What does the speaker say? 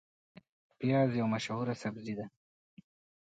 پیاز یو مشهور سبزی دی